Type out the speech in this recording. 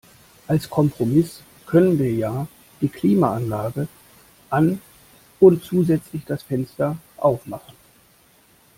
Als Kompromiss können wir ja die Klimaanlage an und zusätzlich das Fenster auf machen.